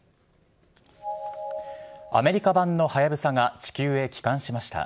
アメリカ版のはやぶさが地球へ帰還しました。